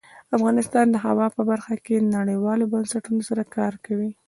افغانستان د هوا په برخه کې نړیوالو بنسټونو سره کار کوي.